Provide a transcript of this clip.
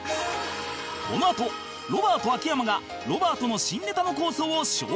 このあとロバート秋山がロバートの新ネタの構想を証言